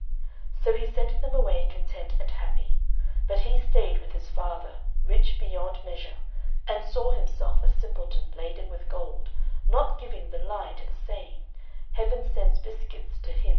So he sent them away content and happy; but he stayed with his father, rich beyond measure, and saw himself a simpleton laden with gold, not giving the lie to the saying "Heaven sends biscuits to him who has no teeth."